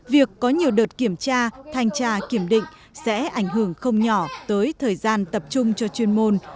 việc có nhiều đợt kiểm tra thanh tra kiểm định sẽ ảnh hưởng không nhỏ tới thời gian tập trung cho chuyên môn